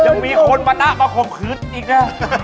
ยังมีคนมานั่งมาคมคืนอีกนะ